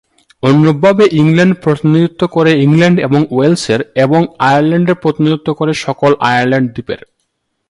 অনুরূপভাবে ইংল্যান্ড প্রতিনিধিত্ব করে ইংল্যান্ড এবং ওয়েলসের এবং আয়ারল্যান্ড প্রতিনিধিত্ব করে সকল আয়ারল্যান্ড দ্বীপের।